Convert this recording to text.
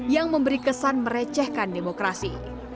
yang memberi kesan merecehkan demokrasi